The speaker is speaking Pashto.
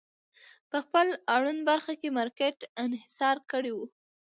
په خپل اړونده برخه کې مارکېټ انحصار کړی و.